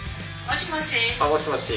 あもしもし。